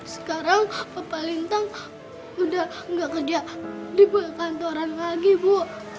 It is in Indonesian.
sekarang papa lintang udah gak kerja di perkantoran lagi bu